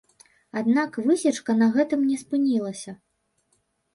Аднак высечка на гэтым не спынілася.